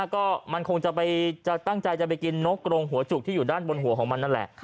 ก็มันคงจะตั้งใจจะไปกินนกกรงหัวจุกที่อยู่ด้านบนหัวของมันนั่นแหละ